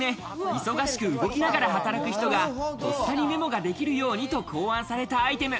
病院をはじめ、忙しく動きながら働く人がとっさにメモができるようにと考案されたアイテム。